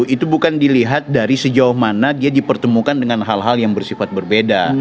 itu bukan dilihat dari sejauh mana dia dipertemukan dengan hal hal yang bersifat berbeda